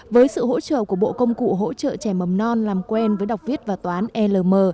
với sự hỗ trợ của bộ công cụ hỗ trợ trẻ mầm non làm quen với đọc viết và toán elm